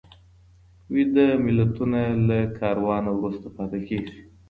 ویده ملتونه له کاروانه وروسته پاته کېږي.